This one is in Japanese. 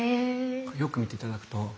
よく見て頂くと。